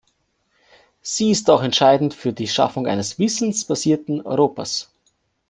Sie ist auch entscheidend für die Schaffung eines wissensbasierten Europas.